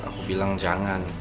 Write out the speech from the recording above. aku bilang jangan